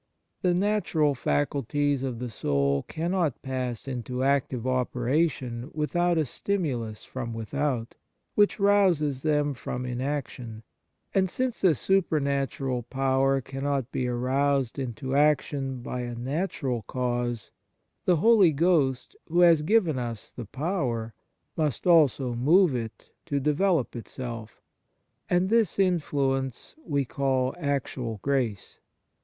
The natural faculties of the soul cannot pass into active operation without a stimu lus from without, which rouses them from inaction; and since a supernatural power cannot be aroused into action by a natural cause, the Holy Ghost, who has given us the power, must also move it to develop itself, and this influence we call " actual grace."